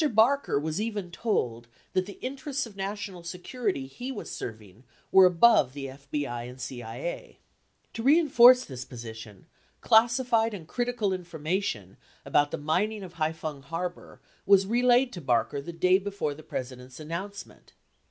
Barker was even told that the interests of national security he was serving were above the FBI and the CIA. 36 To reinforce this position, classified and crit ical information about the mining of Haiphong harbor was relayed to Barker the day before the President's announcement.